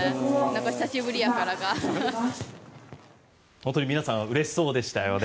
本当に皆さんうれしそうでしたよね。